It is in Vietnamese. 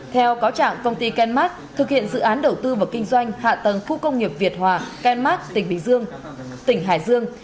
theo cáo trạng công ty kenmark thực hiện dự án đầu tư và kinh doanh hạ tầng khu công nghiệp việt hòa kenmark tỉnh bình dương tỉnh hải dương